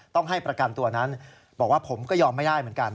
ต้องให้ประกันตัวนั้นบอกว่าผมก็ยอมไม่ได้เหมือนกัน